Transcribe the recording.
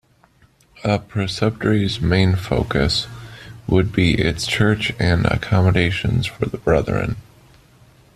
A preceptory's main focus would be its church and accommodation for the brethren.